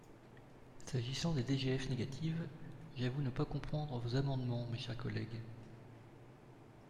S’agissant des DGF négatives, j’avoue ne pas comprendre vos amendements, mes chers collègues.